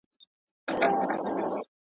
پورته ډولک، کښته چولک.